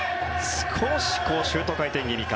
少しシュート回転気味か。